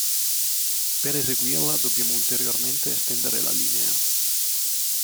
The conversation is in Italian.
Per eseguirla dobbiamo ulteriormente estendere la linea.